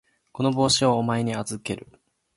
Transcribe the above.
この帽子をお前に預ける。